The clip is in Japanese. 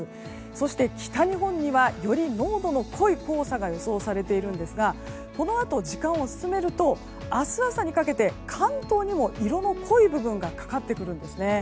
そして北日本にはより濃度の濃い黄砂が予想されているんですがこのあと時間を進めると明日朝にかけて関東にも色の濃い部分がかかってくるんですね。